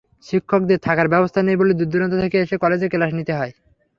শিক্ষকদের থাকার ব্যবস্থা নেই বলে দূরদূরান্ত থেকে এসে কলেজে ক্লাস নিতে হয়।